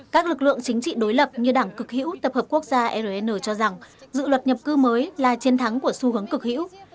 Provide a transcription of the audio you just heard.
các lực lượng chính trị đối lập như đảng cực hữu tập hợp quốc gia rn cho rằng dự luật nhập cư mới là chiến thắng của xu hướng cực hữu